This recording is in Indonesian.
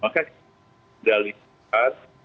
maka kita sudah lihat